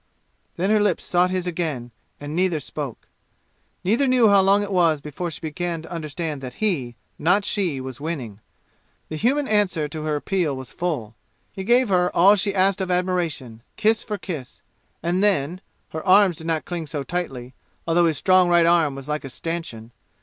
Then her lips sought his again, and neither spoke. Neither knew how long it was before she began to understand that he, not she, was winning. The human answer to her appeal was full. He gave her all she asked of admiration, kiss for kiss. And then her arms did not cling so tightly, although his strong right arm was like a stanchion.